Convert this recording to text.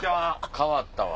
変わったわ。